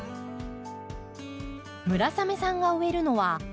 村雨さんが植えるのはクワの木。